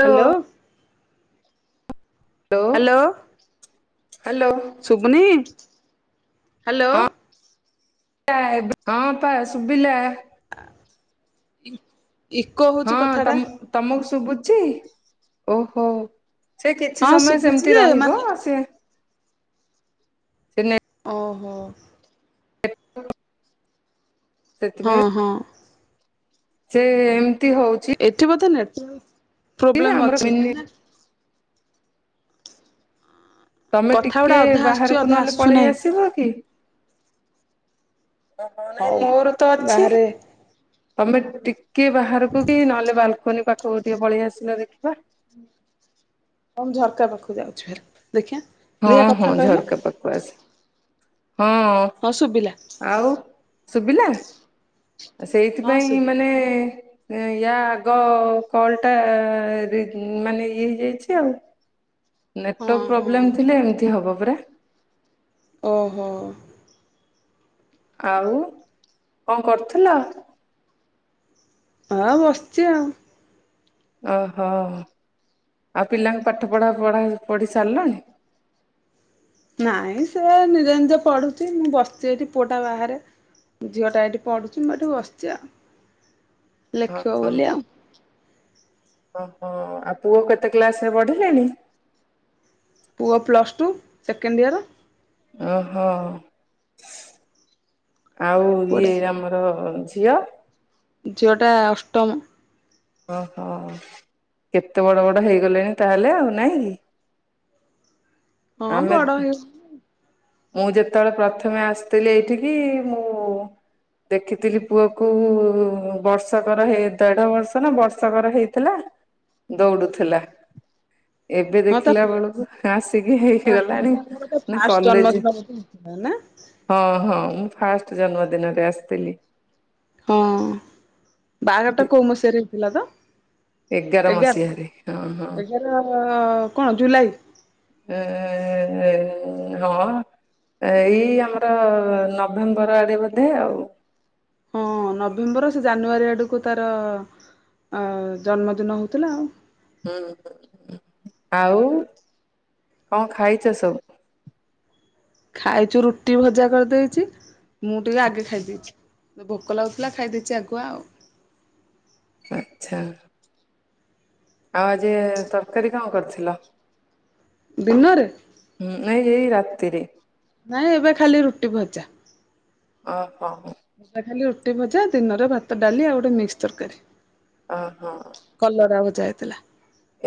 Hello. Hello, hello. ଶୁଭୁନି? Hello. ହଁ [unintelligible] ହଁ ଅପା ଶୁଭିଲା। [inaudible] ହଉଛି ହଁ କଥାଟା ତମ -ତମକୁ ଶୁଭୁଛି? ଓହୋଃ। ସେ ହଁ କିଛି ସମୟ ଶୁଭୁଛି ସେମିତି ଯେ ରହିବ। ମାନେ ସେ ସେ ନେ ଓହୋଃ। [unintelligible] ସେଥିପାଇଁ ହଁ, ହଁ। ସେ ଏମିତି ହଉଛି। ଏଠି ବୋଧେ ନେଟୱାର୍କ ପ୍ରବ୍ଲେମ ଆମର ଅଛି। ମିନି ତମେ କଥା ଗୁଡା ଟିକେ ଅଧା ଆସୁଛି ବାହାରକୁ ଅଧା ନ ହେଲେ ପଳେଇ ଆସୁନାହିଁ ଆସିବ କି? ଓହୋଃ। ହଉ ନାଇଁ ମୋର ତ ଅଛି। ବାହାରେ ତମେ ଟିକେ ବାହାରକୁ କି ନହେଲେ ବାଲକୁନି ପାଖକୁ ଟିକେ ପଳେଇ ଆସିଲ ଦେଖିବା। ହଁ ମୁଁ ଝରକା ପାଖୁ ଯାଉଛି ଭାରି। ଦେଖିଆଁ? ହଁ ହଁ ଝରକା ପାଖୁକୁ ଆସେ ହଁ। ହଁ ଶୁଭିଲା। ଆଉ ଶୁଭିଲା? ହଁ ସେଇଥିପାଇଁ ଶୁଭିଲା ମାନେ ଏ ୟା ଆଗ କଲଟା ରି ଉଁ ମାନେ ଇଏ ହେଇଯାଇଛି ଆଉ। ହଁ ନେଟୱର୍କ ହଁ ପ୍ରୋବ୍ଲେମ୍ ଥିଲେ ଏମିତି ହବ ପରା। ଓହୋଃ। ଆଉ କଁ କରୁଥିଲ? ଆଁ ବସିଚି ଆଉ। ଓହୋଃ। ଆଉ ପିଲାଙ୍କ ପାଠପଢ଼ା ପଢ଼ା ପଢ଼ି ସାରିଲାଣି? ନାଇଁ ସେ ନିଜେ ନିଜେ ପଢୁଚି ମୁଁ ବସିଚି ଏଠି ପୁଅଟା ବାହାରେ। ଝିଅଟା ଏଇଠି ପଢୁଚି ମୁଁ ଏଠି ବସିଚି ଆଉ। [inaudible] ଲେଖିବ ହଁ ବୋଲି ଆଉ। ଓହୋ ଆଉ ପୁଅ କେତେ କ୍ଲାସରେ ପଢିଲାଣି? ପୁଅ ପ୍ଲସ୍ ଟୁ ସେକେଣ୍ଡ ଇୟର। ଓହୋ। ଆଉ ଇଏ ପୁଅଟା ଆମର ଝିଅ। ଝିଅଟା ଅଷ୍ଟମ। ଓହୋ କେତେ ବଡ ବଡ ହେଇଗଲେଣି ତାହେଲେ ଆଉ ନାହିଁ କି? [inaudible] ହଁ ବଡ ଆମେ ହେଇ ମୁଁ ଯେତେବେଳେ ପ୍ରଥମେ ଆସିଥିଲି ଏଇଠିକି ମୁଁ ଦେଖିଥିଲି ପୁଅକୁ ବର୍ଷକର ହେଇ ଦେଢବର୍ଷ ନା ବର୍ଷକର ହେଇ ଥିଲା ଦୋଉଡୁ ଥିଲା। ଏବେ ହଁ ତା ଦେଖିଲା ବେଳୁକୁ ହାସିକି ହେଇ ଗଲାଣି ପୁଣି କଲେଜେ। ହଁ ନା ହଁ ହଁ ମୁଁ ଫାଷ୍ଟ ଜନ୍ମଦିନରେ ଆସତିଲି। ହଁ ବାହାଘରଟା କୋଉ ମସିହାରେ ହେଇଥିଲା ତ? ଏଗାର ଏଗାର୍ ମସିହାରେ ହଁ ହଁ ଏଗାର କଁ ଜୁଲାଇ? ଏ ହଁ। ଏଇ ଆମର ନଭେମ୍ବର ଆଡି ବୋଧେ ଆଉ। ହଁ ନଭେମ୍ବର ସେ ଜାନୁଆରୀ ଆଡୁକୁ ତାର ଆ ଜନ୍ମଦିନ ହଉଥିଲା ଆଉ। ହୁଁ ଉଁ ଉଁ ଉଁ ଆଉ କଁ ଖାଇଚ ସବୁ? ଖାଇଚୁ ରୁଟି ଭଜା କରିଦେଇଚି ମୁଁ ଟିକେ ଆଗେ ଖାଇ ଦେଇଛି। ମତେ ଭୋକ ଲାଗୁଥିଲା ଖାଇ ଦେଇଚି ଆଗୁଆ ଆଉ। ଆଚ୍ଛା। ଆଉ ଆଜି ତରକାରୀ କଣ କରିଥିଲ? ଦିନରେ? ହୁଁ ନାଇ ଏଇ ରାତିରେ। ନାଇଁ ଏବେ ଖାଲି ରୁଟି ଭଜା। ଓହୋ ହଁ। ଏବେ ଖାଲି ରୁଟି ଭଜା ଦିନରେ ଭାତ ଡାଲି ଆଉ ଗୋଟେ ମିକ୍ସ ତରକାରୀ। ଓହଃ। କଲରା ଭଜା ହେଇଥିଲା।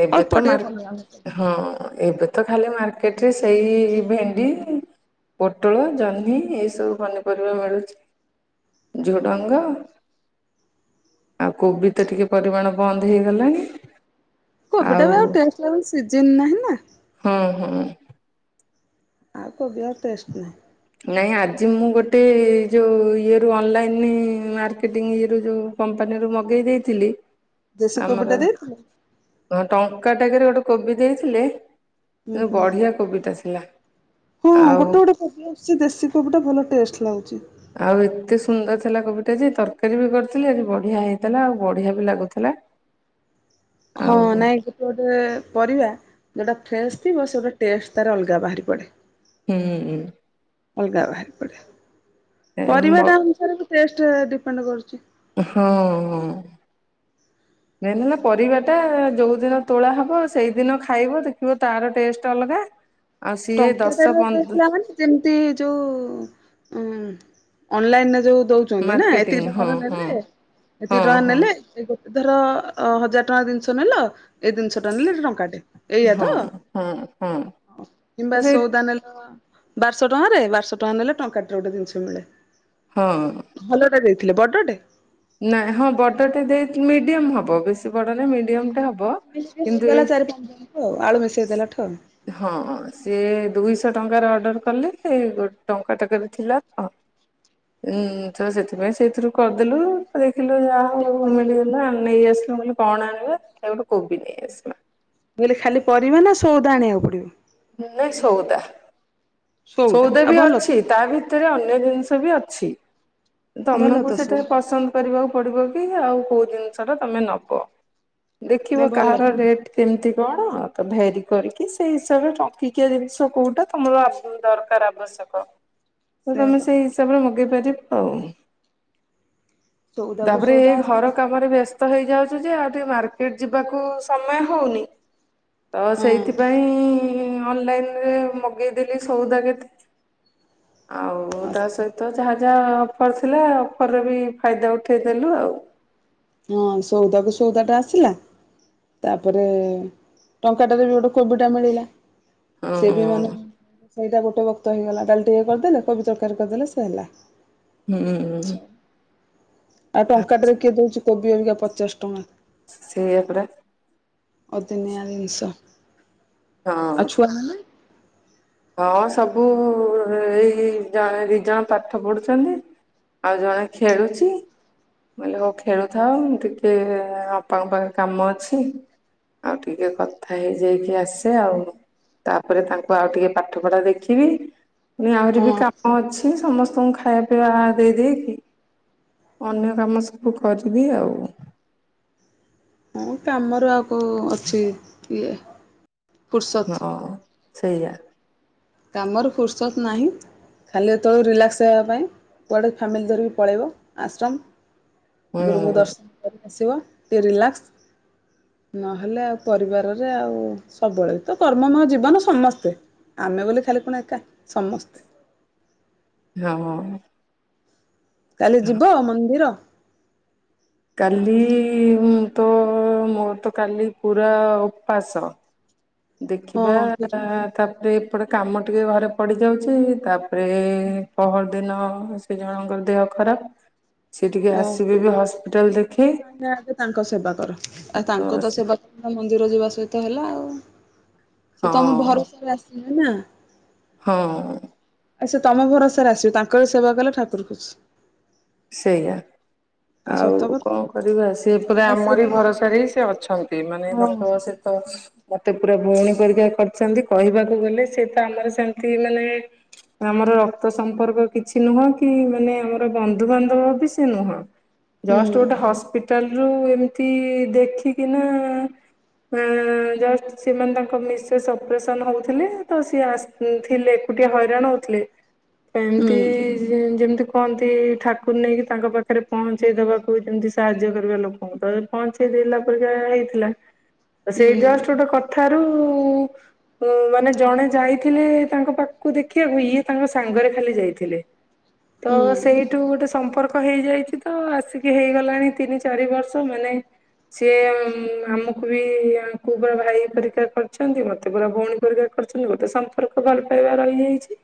ଏବେ ଅଳ୍ପ ତ ଟିକେ ମାର୍ କଲରା ଭଜା ହଁ ଏବେ ତ ଖାଲି ମାର୍କେଟରେ ସେଇ ଭେଣ୍ଡି ପୋଟଳ ଜହ୍ନି ଏଇ ସବୁ ପନିପରିବା ମିଳୁଚି। ଝୁଡ଼ଙ୍ଗ। ଆଉ କୋବି ତ ଟିକେ ପରିମାଣ ବନ୍ଦ ହେଇଗଲାଣି। କୋବଟା ବି ଆଉ ଟେଷ୍ଟ ଲାଗୁନି ସିଜିନ୍ ନାହିଁ ନା? ହୁଁ ହୁଁ। ଆଉ କୋବିର ଟେଷ୍ଟ ନାହିଁ। ନାଇଁ ଆଜି ମୁଁ ଗୋଟେ ଯୋଉ ଇଏରୁ ଅନଲାଇନ ମାର୍କେଟିଂ ଇଏରୁ ଯଉ କମ୍ପାନୀରୁ ମଗେଇ ଦେଇଥିଲି ଦେଶୀ କୋବି ଆମର ଟା ଦେଇଥିଲେ ଟଙ୍କା ଟାକେରେ ଗୋଟେ କୋବି ଦେଇଥିଲେ। ହୁଁ ବଢିଆ କୋବି ଟା ଥିଲା। ଆଉ ସେ ଦେଶୀ କୋବି ଟା ଭଲ ଟେଷ୍ଟ ଲାଗୁଛି। ଆଉ ଏତେ ସୁନ୍ଦର ଥିଲା କୋବିଟା ଯେ ତରକାରୀ ବି କରିିଥିଲେ ଆଜି ବଢିଆ ହେଇଥିଲା ଆଉ ବଢିଆ ବି ଲାଗୁଥିଲା। [unintelligible] ହଁ ନାଇଁ କି? ଯଉ ଗୋଟେ ପରିବା ଯୋଉଟା ଫ୍ରେଶ୍ ଥିବ ସେ ଗୋଟେ ଟେଷ୍ଟ ତାର ଅଲଗା ବାହାରି ପଡେ। ହୁଁଁ। ଅଲଗା ବାହାରି ପଡେ। ମ ପରିବାଟା ଅନୁସାରେ ଟେଷ୍ଟ ଡିପେଣ୍ଡ କରୁଛି। ହଁ। ମେନ୍ ହେଲା ପରିବାଟା ଯୋଉଦିନ ତୋଳା ହବ। ସେଇଦିନ ଖାଇବ ଦେଖିବ ତାର ଟେଷ୍ଟ ଅଲଗା। [unintelligible] ଦଶ ଟଙ୍କାଟାରେ ପନ୍ଦ ଦେଇଥିଲା ମାନେ ଯେମିତି ଯୋଉ ଉ ଅନଲାଇନରେ ଯୋଉ ଦଉ ଛନ୍ତି ନା ମାର୍କେଟିଂ ଏତିକି ହଁ ଟଙ୍କାର ହଁ ନେଲେ ହଁ ଏତିକି ଟଙ୍କା ହଁ ନେଲେ। ସେ ଦଉ ଧର ହଜାର ଟଙ୍କା ଜିନିଷ ନେଲ। ଏଇ ଜିନିଷଟା ନେଲେ ଏ ଟଙ୍କାଟେ ଏଇଆା ତ? ହୁଁ ହୁଁ। କିମ୍ବା ସଉଦା ନେଲ। ବାରଶହ ଟଙ୍କାରେ ବାରଶହ ଟଙ୍କା ନେଲେ ଟଙ୍କାଟରେ ଗୋଟେ ଜିନିଷ ମିଳେ। ହଁ। ଭଲଟା ଦେଇଥିଲେ ବଡଟେ। ନାଇଁ ହଁ ବଡ଼ଟେ ଦେଇଥି ମିଡିୟମ ହବ ବେଶୀ ବଡ ନାଇଁ ମିଡିୟମ ଟେ ହବ। ମିଶି ମିଶି କିନ୍ତୁ ଏଇ ଗଲା ଚାରି ପାଞ୍ଚ ଦିନ ଠୁ ଆଳୁ ମିଶେଇ ଦେଲା ଠୁ। ହଁ ସିଏ ଦୁଇଶହ ଟଙ୍କାରେ ଅର୍ଡର କଲେ। ଗୋଟେ ଟଙ୍କା ଟାକରେ ଥିଲା ତ ହୁଁ ତ ସେଥିପାଇଁ ସେଇଥିରୁ କରିଦେଲୁ। ଦେଖିଲୁ ଯାହା ହଉ ମିଳିଗଲା। ନେଇ ଆସିଲୁ ମୁ କହିଲି କଣ ଆଣିବ ନା ଗୋଟେ କୋବି ନେଇ ଆସିବା। ମୁ କହିଲି ଖାଲି ପରିବା ନା ସଉଦା ଆଣିବାକୁ ପଡିବ? ନାଇଁ ସଉଦା ସଉଦା ଆଉ ବି ଭଲ ଅଛି। ତା ଭିତରେ ଅନ୍ୟ ଜିନିଷ ବି ଅଛି ଭଲ ତମକୁ ତ ସେଟା ସବୁ ପସନ୍ଦ କରିବାକୁ ପଡିବ କି ଆଉ କୋଉ ଜିନିଷ ଟା ତମେ ନବ। ନାଇଁ ଦେଖିବ ଭଲ କାହାର ରେଟ୍ କେମିତି କଣ ତ ଭେରି କରିକି ସେଇ ତାର ଟଙ୍କିକିଆ ଜିନିଷ କୋଉଟା ତମର ଦରକାର ଆବଶ୍ୟକ ତ ସେୟା ତମେ ପା ସେଇ ତାପରେ ମଗେଇ ପାରିବ ଆଉ। ସଉଦାକୁ ତାପରେ ଏ ସଉଦା ଘର ଆସିଲା କାମରେ ବ୍ୟସ୍ତ ହେଇଯାଉଛୁ ଯେ ଆଉ ଟିକେ ମାର୍କେଟ ଯିବାକୁ ସମୟ ହଉନି। ତ ସେଇଥିପାଇଁ ଅନଲାଇନରେ ମଗେଇଦେଲି ସଉଦା କେତେ। ଆଉ ହଁ ତା ସହିତ ତ ଯାହା ଯାହା ଅଫର୍ ଥିଲା ଅଫରରେ ବି ଫାଇଦା ଉଠେଇଦେଲୁ ଆଉ। ହଁ ସଉଦା କୁ ସଉଦା ଟା ଆସିଲା। ତାପରେ ଟଙ୍କାଟାରେ ବି ଗୋଟେ କୋବି ଟା ମିଳିଲା। ହଁ ସେ ବି ମାନେ ସେଇଟା ଗୋଟେ ବକ୍ତ ହେଇଗଲା। ଡାଲି ଟିକେ କରିଦେଲେ କୋବି ତରକାରୀ କରିଦେଲେ ସେ ହେଲା। ହୁଁ। ଆଉ ଟଙ୍କାଟାରେ କିଏ ଦଉଛି କୋବି ଅବିକା ପଚାଶ ଟଙ୍କା। ସେଇଆପରା। ଅଦିନିଆ ଜିନିଷ। ଆ ହଁ। ଛୁଆ ମାନେ? ହଁ ସବୁ ଏଇ ଜଣ ଦି ଜଣ ପାଠ ପଢୁଛନ୍ତି। ଆଉ ଜଣେ ଖେଳୁଛି। ମୁଁ କହିଲି ହଉ ଖେଳୁଥାଅ ମୁଁ ଟିକେ ଆପାଙ୍କ ପାଖରେ କାମ ଅଛି। ଆଉ ଟିକେ କଥା ହେଇ ଯାଇକି ଆସେ ଆଉ ତାପରେ ତାଙ୍କୁ ଆଉ ଟିକେ। ପାଠ ପଢା ଦେଖିବି ଏଁ ଆହୁରି ହଁ ବି କାମ ଅଛି ସମସ୍ତଙ୍କୁ ଖାଇବା। ପିଇବା ଦେଇ ଦେଇକି। ଅନ୍ୟ କାମ ସବୁ କରିବି ଆଉ। ହୁଁ କାମରୁ ଆଉ କୋଉ ଅଛି ଇଏ। ଫୁର୍ସତ ହଁ ସେଇଆ। କାମର ଫୁର୍ସତ ନାହିଁ। ଖାଲି ଏତେ ବେଳକୁ ରିଲାକ୍ସ ହେବା ପାଇଁ କୁଆଡ଼େ ଫ୍ୟାମିଲି ଧରିକି ପଳେଇବ ଆଶ୍ରମ। ହୁଁ ଗୁରୁଙ୍କୁ ଦର୍ଶନ କରି ଆସିବ ଟିକେ ରିଲାକ୍ସ। ନ ହେଲେ ଆଉ ପରିବାର ରେ ଆଉ ସବୁବେଳେ ତ କର୍ମ ମୟ ଜୀବନ ସମସ୍ତେ। ଆମେ ବୋଲି ଖାଲି କଣ ଏକା ସମସ୍ତେ। ହଁ। କାଲି ଯିବ ମନ୍ଦିର। କାଲି ମୁଁ ତ ମୋର ତ କାଲି ପୁରା ଉପାସ। ହଁ ଦେଖିବା ଠିକ ତାପରେ ଏପଟେ କାମ ଟିକେ ଘରେ ପଡ଼ି ଯାଉଛି ତା ପରେ। ପହର ଦିନ ସେ ଜଣଙ୍କର ଦେହ ଖରାପ ସିଏ ଟିକେ ଓ ଆସିବେ ବି ହସ୍ପିଟାଲ ଦେ ନାଇଁ ନାଇଁ ଆଗେ ତାଙ୍କ ସେବା କର ଆଉ ତାଙ୍କ ତ ସେବା। ମନ୍ଦିର ଯିବା ସହିତ ହେଲା ଆଉ ସେ ତମେ ହଁ ଭରସାରେ ଆସିଲେ ନା। ହଁ। ଆଉ ସେ ତମ ଭରସା ରେ ଆସିବେ ତାଙ୍କରି ସେବା କଲେ ଠାକୁର ଖୁସି। ସେଇଆ ଆଉ ସତ କଁ କଥା କରିବା ସିଏ ପୁରା ନା ସେ ତ ଆମରି ଭରସାରେ ହିଁ ସେ ଅଛନ୍ ନ୍ତି ମାନେ ହଁ। ତାଙ୍କ ସେ ତ। ମତେ ପୁରା ଭଉଣୀ ପରି କା କରିଛନ୍ତି କହିବାକୁ ଗଲେ ସିଏ ତ ଆମର ସେମିତି ମାନେ। ଆମର ରକ୍ତ ସମ୍ପର୍କ କିଛି ନୁହଁ କି ମାନେ ଆମର ବନ୍ଦ ବନ୍ଧୁ ବାନ୍ଧବ ବି ସେ ନୁହଁ ହୁଁ ଜଷ୍ଟ ଗୋଟେ ହସ୍ପି ଟାଲ ରୁ ଏମିତି ଦେଖିକିନା। ଆଁ ଜଷ୍ଟ ସିଏ ମାନେ ତାଙ୍କ ମିସେସ୍ ଅପରେସନ୍ ହଉଥିଲେ ତ ସିଏ ଆସି ଫୁ ଥିଲେ ଏକୁଟିଆ ହଇରାଣ ହଉଥିଲେ ତ ହୁଁ ଏମତି ଯେ ଯେମିତି କହନ୍ତି। ଠାକୁର ନେଇକି ତାଙ୍କ ପାଖରେ ପହଞ୍ଚେଇ ଦବାକୁ ଯେମିତି ସାହାଯ୍ୟ କରିବା ଲୋକଙ୍କୁ ତ ଏ ପହଞ୍ଚେ। ଇ ଦେଲା ପରିକା ହେଇଥିଲା ସେଇ ହୁଁ ଜଷ୍ଟ ଗୋଟେ କଥାରୁ। ମାନେ ଜଣେ ଯାଇଥିଲେ ତାଙ୍କ ପାଖକୁ ଦେଖିବାକୁ ଇଏ ତାଙ୍କ ସାଙ୍ଗରେ ଖାଲି ଯାଇଥିଲେ। ତ ହୁଁ ସେଇ। ସେଇଠୁ ଗୋଟେ ସମ୍ପର୍କ ହେଇଯାଇଛି ତ ଆସିକି ହେଇଗଲାଣି ତିନି ଚାରି ବର୍ଷ ମାନେ। ସିଏ ଆମକୁ ବି ଆଙ୍କୁ ଭାଇ ପରିକା କରିଛନ୍ତି ମତେ ପୁରା ଭଉଣୀ ପରିକା କରଛନ୍ତି ମତେ ସମ୍ପର୍କ ଭଲ ପାଇବା ରହିଯାଇଛି।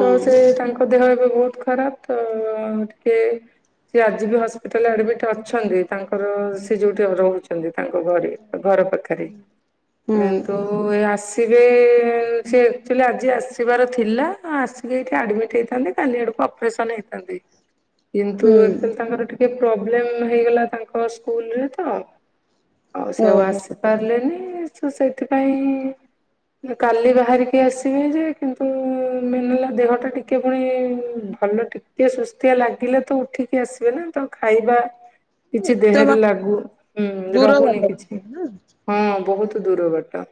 ତ ସେ ତାଙ୍କ ଦେହ ଏବେ ବହୁତ ଖରାପ ତ ଟିକେ। ସେ ଆଜି ବି ହସ୍ପିଟାଲ ଆଡ଼ମିଟ୍ ଅଛନ୍ତି ତାଙ୍କର ସେ ଯୋଉ ଠି ରହୁଛନ୍ତି ତାଙ୍କ ଘରେ। ଘର ପାଖରେ। କିନ୍ତୁ ଏ ଆସିବେ ସେ ଆକ୍ଚୁଆଲି ଆଜି ଆସିବାର ଥିଲା ଆସି ଆଜି ଯାଇକି ଆଡମିଟ୍ ହେଇଥାନ୍ତି କାଲି ଆଡକୁ ଅପରେସନ ହେଇଥାନ୍ତେ କିନ୍ତୁ ହୁଁ ଆକଚୁଆଲି ତାଙ୍କର ଟି ଟିକେ ପ୍ରୋବ୍ଲେମ ହେଇଗଲା ତାଙ୍କ ସ୍କୁଲରେ ତ ଆଉ ସେ ଆଉ ଆସି। ପାରିଲେନି ତ ସେଇଥିପାଇଁ। କାଲି ବାହାରିକି ଆସିବେ ଯେ କିନ୍ତୁ ମେନ୍ ହେଲା ଦେହଟା ଟିକଏ ପୁଣି। ଭଲ ଟିକେ ସୁସ୍ତିଆ ଲାଗିଲେ ତ ଉଠିକି ଆସିବେ ନା ତ ଖାଇବା। କିଛି ଏତେ ଦେହରେ ବାଟ ଲାଗୁ ହୁଁ ଦୂର ବାଟ ରହୁନି କିଛି। ବୋଧେ ନା? ହଁ ବହୁତ ଦୂର ବାଟ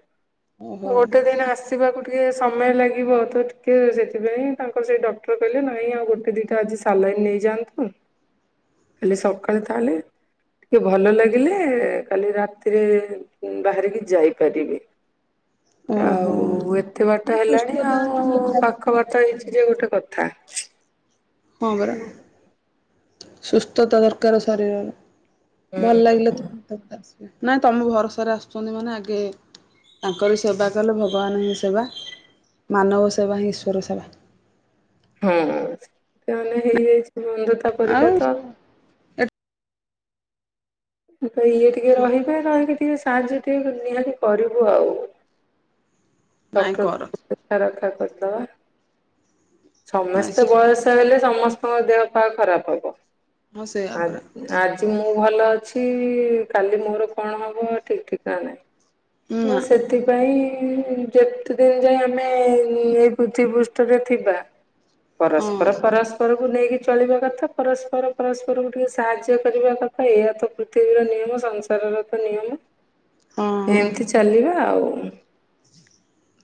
ମୁଁ ଓହୋ ଗୋଟେ ଦିନ ଆସି। ଯିବାକୁ ଟିକେ ସମୟ ଲାଗିବ ତ ଟିକେ ସେଥିପାଇଁ ତାଙ୍କର ସେ ଡକ୍ଟର କହିଲେ ନାହିଁ ଆଉ ଗୋଟେ ଦିଟା ଆଜି ସାଲାଇନ୍ ନେଇଯାଆନ୍ତୁ, କାଲି ସକାଳେ ତାହେଲେ ଟିକେ ଭଲ ଲାଗିଲେ କାଲି ରାତିରେ ବାହାରିକି ଯାଇପାରିବେ। [inaudible] ଓହୋ। ଆଉ ଏତେ ବାଟ ନାଇଁ ହେଲାଣି ସୁସ୍ଥତା ଆଉ ନ ହେଇକି ପାଖ ଆସିଲେ ବାଟ ହେଇଛି ଯେ ଗୋଟେ କଥା। ହଁ ପରା ହୁଁ ସୁସ୍ଥତା ଦରକାରେ ଶରୀରର। ଭଲ ଲାଗିଲେ ହୁଁ। ତ ଆସ, ନାଇଁ ତମେ ଭରସାରେ ଆସୁଛନ୍ତି ମାନେ ଆଗେ ତାଙ୍କରି ସେବା କଲେ ଭଗବାନ ହିଁ ସେବା, ମାନବ ସେବା ହିଁ ଈଶ୍ୱର ସେବା। ହଁ ସେ ମାନେହେଇଯାଇଛି ବନ୍ଧୁତା ଆଉ ପରୀକା ତ। ତ ଇଏ ଟିକେ ରହିବେ ରହିକି ଟିକେ ସାହାଯ୍ୟ ଟିକେ ନିହାତି କରିବୁ ଆଉ। ନାଇଁ ଡକ୍ଟର କର [unintelligible] ରଖା କରିଦବା। ନାଇଁ ସମସ୍ତେ ସେ ବୟସ ହେଲେ ସମସ୍ତଙ୍କ ଦେହ ପା ଖରାପ ହବ ହଁ ସେଇଆ ପରା ଆ ଆଜି ମୁଁ ଭଲ ଅଛି କାଲି ମୋର କଣ ହବ ଠିକ ଠିକଣା ନାହିଁ। ହଁ ନା ସେଥିପାଇଁ ଯେ ଯେତେଦିନ ଯାଏ ଆମେ ଉଁ ଏଇ ପୃଥିବ ପୃଷ୍ଠରେ ଥିବା, ହଁ ପରସ୍ପର ପରସ୍ ପରକୁ ନେଇକି ଚଳିବା କଥା ପରସ୍ପର ପରସ୍ପରକୁ ଟିକେ ସାହାଯ୍ୟ କରିବା କଥା ଏଆ ତ ପୃଥିବୀର ନିୟମ ସଂସାରର ତ ନିୟମ। ହଁ ଏମତି ଚାଲିବା ଆଉ,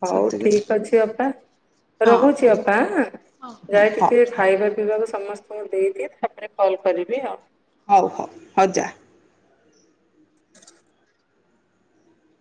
ହଉ ସେତିକି ଠିକ ଅଛି ଅପା। ହଁ ରହୁଛି ଅପା ଆଁ, ହଁ ହଁ ଯାଇକି ଟିକେ ହଉ ଖାଇବା ପିଇବାକୁ ସମସ୍ତେ ମୁଁ ଦେଇଦିଏ ତାପରେ କଲ୍ କରିବି ଆଉ। ହଉ ହଉ ହଉ ଯା। [inaudible]